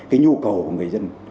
cái nhu cầu của người dân